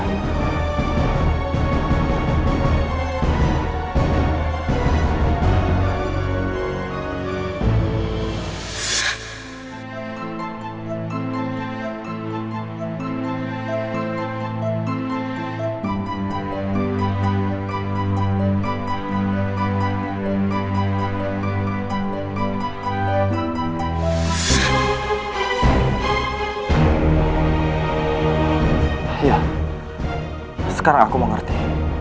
iya sekarang aku mengerti